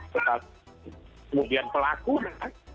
kemudian pelaku ya